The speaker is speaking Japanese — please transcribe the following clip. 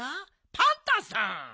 パンタさん。